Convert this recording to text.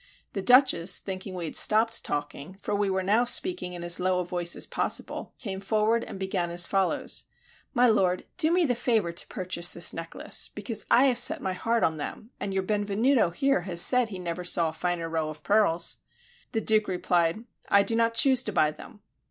The Duchess, thinking we had stopped talking, for we now were speaking in as low a voice as possible, came forward and began as follows: "My lord, do me the favor to purchase this necklace, because I have set my heart on them, and your Benvenuto here has said he never saw a finer row of pearls." The Duke replied, "I do not choose to buy them."